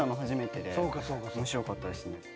面白かったですね。